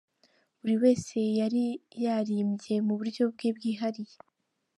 Buri wese yari yarimbye mu buryo bwe bwihariye.